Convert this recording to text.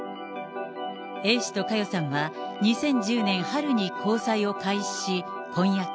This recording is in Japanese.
Ａ氏と佳代さんは、２０１０年春に交際を開始し、婚約。